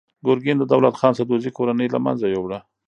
ګورګین د دولت خان سدوزي کورنۍ له منځه یووړه.